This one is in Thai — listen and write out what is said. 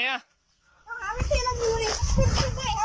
ลงมาเลย